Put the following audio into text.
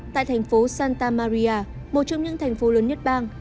tại thành phố santa maria một trong những thành phố lớn nhất bang